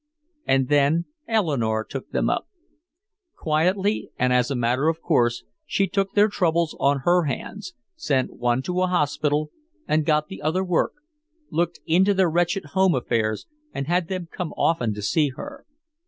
And then Eleanore took them up. Quietly and as a matter of course, she took their troubles on her hands, sent one to a hospital and got the other work, looked into their wretched home affairs and had them come often to see her.